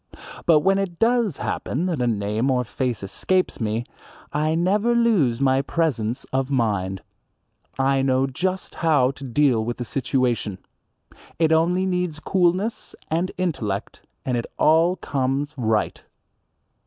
But when it does happen that a name or face escapes me I never lose my presence of mind. I know just how to deal with the situation. It only needs coolness and intellect, and it all comes right.